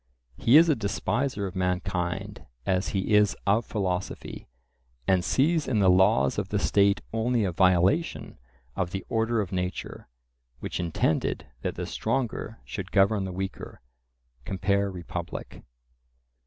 He is a despiser of mankind as he is of philosophy, and sees in the laws of the state only a violation of the order of nature, which intended that the stronger should govern the weaker (compare Republic).